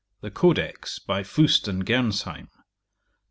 The Codex, by Fust and Gernsheym.